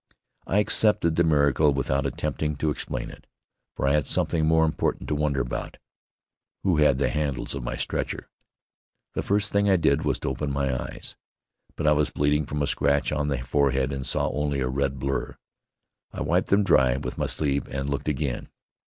I accepted the miracle without attempting to explain it, for I had something more important to wonder about: who had the handles of my stretcher? The first thing I did was to open my eyes, but I was bleeding from a scratch on the forehead and saw only a red blur. I wiped them dry with my sleeve and looked again.